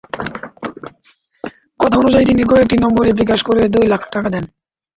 কথা অনুযায়ী তিনি কয়েকটি নম্বরে বিকাশ করে দুই লাখ টাকা দেন।